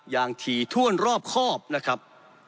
ถี่ถ้วนรอบครอบนะครับ